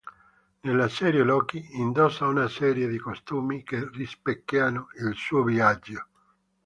Nella serie Loki indossa una serie di costumi che rispecchiano il suo viaggio.